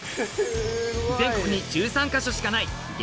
全国に１３か所しかない激